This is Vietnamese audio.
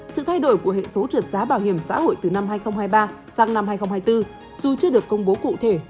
sự thay đổi của hệ số trượt giá bảo hiểm xã hội từ năm hai nghìn hai mươi ba sang năm hai nghìn hai mươi bốn dù chưa được công bố cụ thể